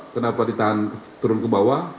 kenapa ditahan turun ke bawah